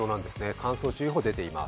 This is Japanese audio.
乾燥注意報が出ています。